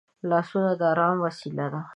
لاسونه د ارام وسیله ده